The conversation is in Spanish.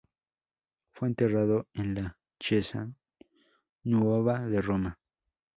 Fue enterrado en la Chiesa Nuova de Roma.